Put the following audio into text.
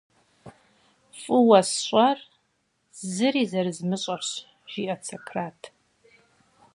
«ФӀыуэ сщӀэр – зыри зэрызмыщӀэрщ!» - жиӀэрт Сократ.